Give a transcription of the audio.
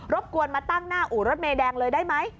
บกวนมาตั้งหน้าอู่รถเมแดงเลยได้ไหม